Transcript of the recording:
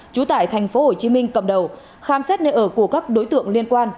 chú tải tp hcm cầm đầu khám xét nơi ở của các đối tượng liên quan